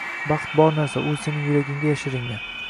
Baxt bor narsa, u sening yuragingga yashiringan